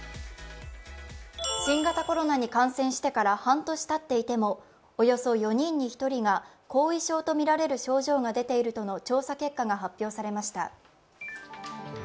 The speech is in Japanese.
新型コロナに感染してから半年たっていてもおよそ４人に１人が後遺症が出ているとみられるとの調査結果が発表されました。